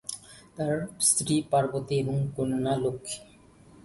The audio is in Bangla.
তার স্ত্রী পার্বতী ও কন্যা লক্ষ্মী।